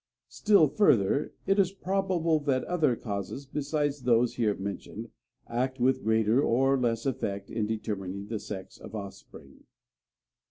Still further, it is probable that other causes besides those here mentioned act with greater or less effect in determining the sex of offspring."